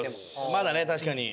まだね確かに。